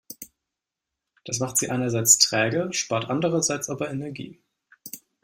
Das macht sie einerseits träge, spart andererseits aber Energie.